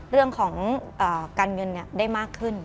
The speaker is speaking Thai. เรื่องของการเงินได้มากขึ้น